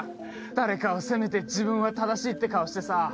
誰かを責めて自分は正しいって顔してさ